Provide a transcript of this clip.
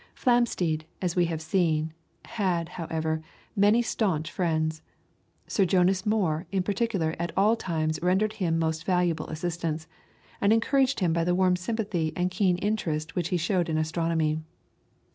Flamsteed, as we have seen, had, however, many staunch friends. Sir Jonas Moore in particular at all times rendered him most valuable assistance, and encouraged him by the warm sympathy and keen interest which he showed in astronomy.